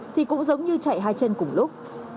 thì cũng giống như chạy hai chân cùng lúc